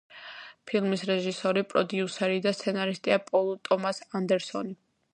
ფილმის რეჟისორი, პროდიუსერი და სცენარისტია პოლ ტომას ანდერსონი.